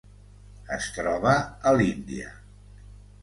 Es troba a l'Índia.